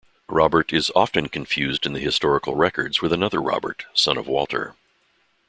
Robert is often confused in the historical records with another Robert, son of Walter.